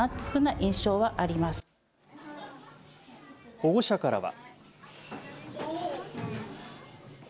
保護者からは。